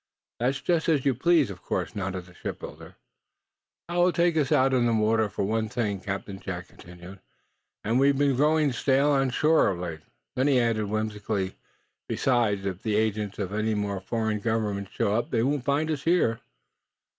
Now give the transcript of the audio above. "That's just as you please, of course," nodded the shipbuilder. "It will take us out on the water, for one thing," Captain Jack continued, "and we've been growing stale on shore, of late." Then he added, whimsically: "Besides, if the agents of any more foreign governments show up, they won't find us here."